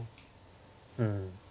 うん。